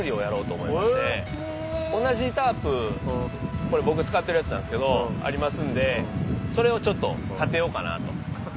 同じタープこれ僕使ってるやつなんですけどありますんでそれをちょっと立てようかなと。